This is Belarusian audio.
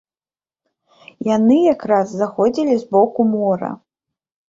Яны якраз заходзілі з боку мора.